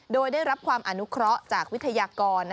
โดยได้รับความอนุเคราะห์จากวิทยากร